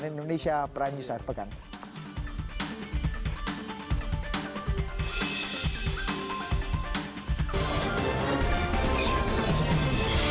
di indonesia prime news saat pekan